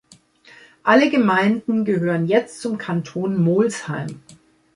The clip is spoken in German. Alle Gemeinden gehören jetzt zum Kanton Molsheim.